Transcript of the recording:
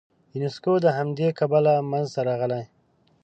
یونسکو د همدې کبله منځته راغلی.